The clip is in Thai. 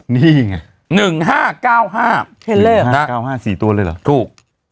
นี่ไง๑๕๙๕๑๕๙๕สี่ตัวเลยเหรอถูก